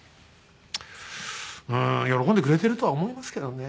うーん喜んでくれてるとは思いますけどね。